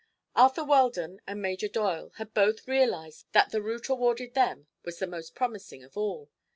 Arthur Weldon and Major Doyle had both realized that the route awarded them was the most promising of all.